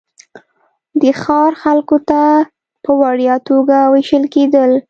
د ښار خلکو ته په وړیا توګه وېشل کېدل.